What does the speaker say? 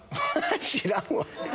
知らんわ。